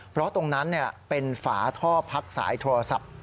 เพราะตรงนั้นเป็นฝาท่อพักสายโทรศัพท์